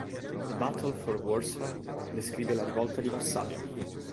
The Battle for Warsaw" descrive la rivolta di Varsavia.